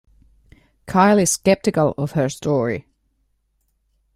Kyle is skeptical of her story.